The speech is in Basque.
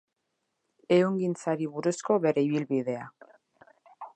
Ehungintzari buruzko bere ibilbidea.